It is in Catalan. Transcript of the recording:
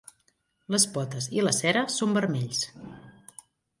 Les potes i la cera són vermells.